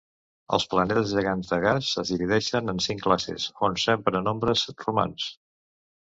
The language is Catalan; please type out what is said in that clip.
Els planetes gegants de gas es divideixen en cinc classes, on s'empra nombres romans.